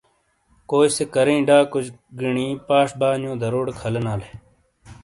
کوئی سے کریںے ڈاکوج گینی پاش بانیو دروٹے کھلینالے۔